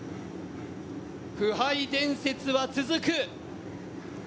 不敗伝説は続く。